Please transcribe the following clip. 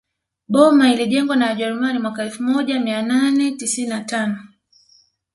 Boma ilijengwa na wajerumani mwaka elfu moja mia nane tisini na tano